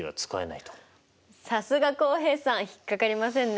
さすが浩平さん引っ掛かりませんね。